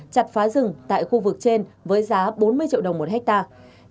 chặt phá rừng tại khu vực trên với giá bốn mươi triệu đồng một hectare